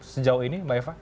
sejauh ini mbak eva